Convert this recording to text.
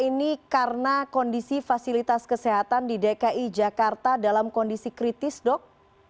ini karena kondisi fasilitas kesehatan di dki jakarta dalam kondisi kritis dok